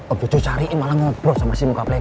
objujur cari malah ngobrol sama si muka plek